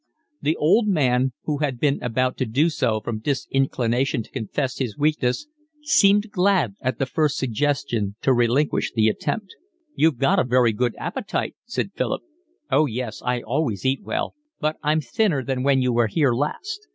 The old man, who had been about to do so from disinclination to confess his weakness, seemed glad at the first suggestion to relinquish the attempt. "You've got a very good appetite," said Philip. "Oh yes, I always eat well. But I'm thinner than when you were here last.